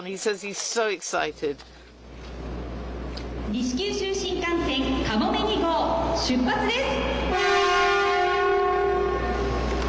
西九州新幹線かもめ２号、出発です。